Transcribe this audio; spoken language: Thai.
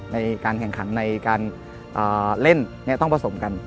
ในการแข่งขันในการเล่นต้องผสมกัน